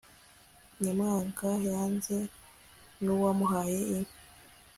nyamwanga yanze n'uwamuhaye inka